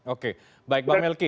oke baik pak melki